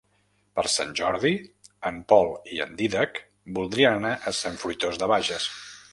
Per Sant Jordi en Pol i en Dídac voldrien anar a Sant Fruitós de Bages.